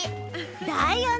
だよね。